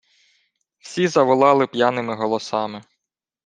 Всі заволали п'яними голосами: